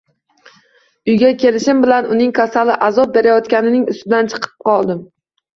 Uyga kelishim bilan uning kasali azob berayotganining ustidan chiqdim